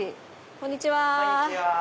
こんにちは。